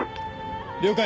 了解！